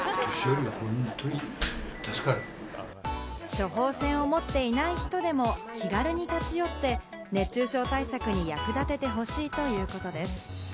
処方箋を持っていない人でも気軽に立ち寄って、熱中症対策に役立ててほしいということです。